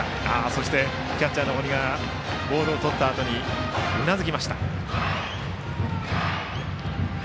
そしてキャッチャーの堀がボールをとったあとにうなずきました。